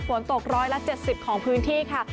ฝนตกร้อยและ๗๐ของพื้นที่ค่ะ